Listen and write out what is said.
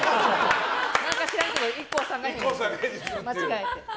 何か知らんけどＩＫＫＯさんが間違えて。